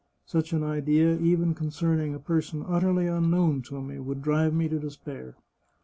Such an idea, even concerning a per son utterly unknown to me, would drive me to despair.